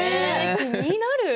気になる。